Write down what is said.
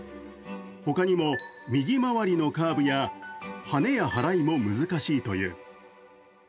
他にも、右回りのカーブや、はねや払いも難しいという。